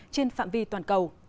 trên phạm vi toàn cầu